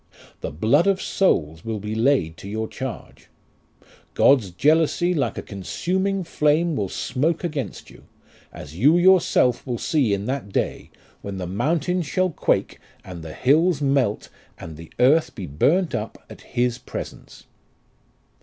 The blood of souls will be laid to your charge. God's jealousy like a consuming flame will smoke against you; as you yourself will see in that day, when the mountains shall quake, and the hills melt, and the earth be burnt up at His presence.